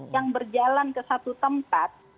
yang berjalan ke satu tempat